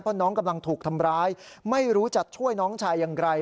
เพราะน้องกำลังถูกทำร้ายไม่รู้จะช่วยน้องชายอย่างไร